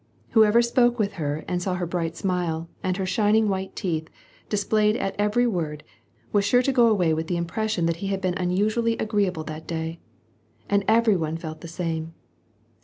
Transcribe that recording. Whoever spoke with her and saw ber bright smile, and her shining white teeth displayed at CTery word, was sure to go away with the impression that he had/>een unusually agreeable that day. And every one felt the same.